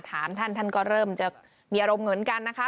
ท่านท่านก็เริ่มจะมีอารมณ์เหมือนกันนะคะ